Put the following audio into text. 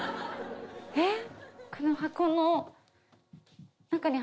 えっ？